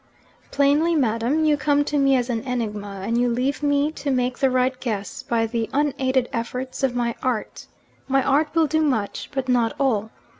'Plainly, madam, you come to me as an enigma, and you leave me to make the right guess by the unaided efforts of my art. My art will do much, but not all.